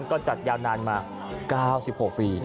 ก็จัดยาวนานมา๙๖ปี